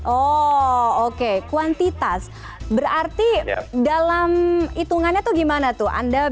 oh oke kuantitas berarti dalam hitungannya tuh gimana tuh anda bisa memproduksi